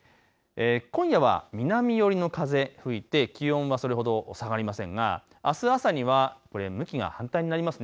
今夜は南寄りの風吹いて気温はそれほど下がりませんがあす朝には向きが反対になります。